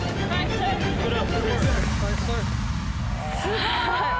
すごい！